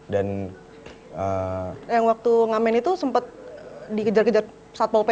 yang waktu ngamen itu sempet dikejar kejar satpol ppt